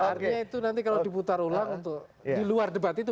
artinya itu nanti kalau diputar ulang untuk di luar debat itu